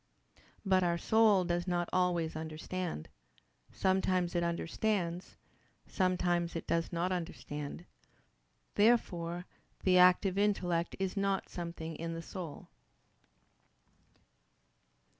But our soul does not always understand: sometimes it understands, sometimes it does not understand. Therefore the active intellect is not something in our soul.